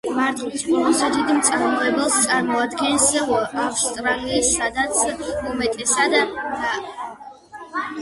მატყლის ყველაზე დიდ მწარმოებელს წარმოადგენს ავსტრალია, სადაც უმეტესად აშენებენ მერინოსის ჯიშის ცხვარს.